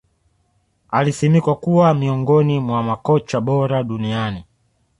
Alisimikwa kuwa miongoni mwa makocha bora duniani